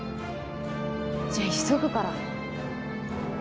じゃあ急ぐから。